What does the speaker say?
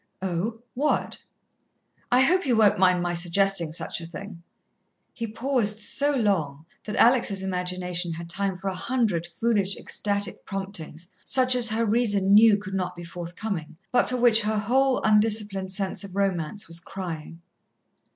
"Oh, what?" "I hope you won't mind my suggesting such a thing " He paused so long that Alex' imagination had time for a hundred foolish, ecstatic promptings, such as her reason knew could not be forthcoming, but for which her whole undisciplined sense of romance was crying.